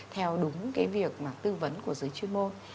theo đúng việc tư vấn của giới chuyên môn